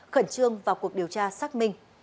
khẩn trương vào cuộc điều tra xác minh